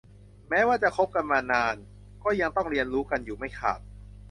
แม้ว่าจะคบกันมานานก็ยังต้องเรียนรู้กันอยู่ไม่ขาด